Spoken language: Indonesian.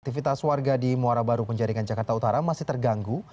aktivitas warga di muara baru penjaringan jakarta utara masih terganggu